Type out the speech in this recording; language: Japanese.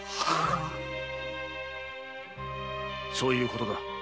そういうことだ。